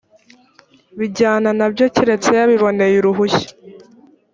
bijyana na byo keretse yabiboneye uruhushya